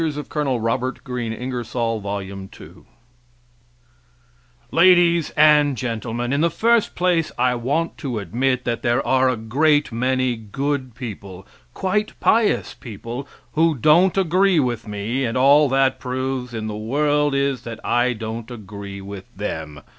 Ingersoll's Lecture on Intellectual Development Ladies and Gentlemen: In the first place I want to admit that there are a great many good people, quite pious people, who don't agree with me and all that proves in the world is, that I don't agree with them.